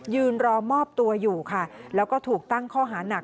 ยืนรอมอบตัวอยู่ค่ะแล้วก็ถูกตั้งข้อหานัก